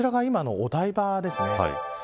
こちらが今のお台場ですね。